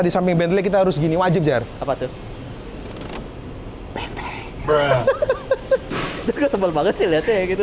di samping bandely kita harus gini wajib jar apa tuh kesebel banget sih lihatnya gitu